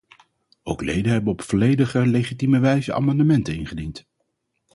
Ook leden hebben op volledig legitieme wijze amendementen ingediend.